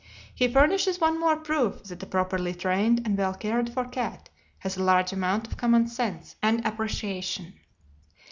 He furnishes one more proof that a properly trained and well cared for cat has a large amount of common sense and appreciation.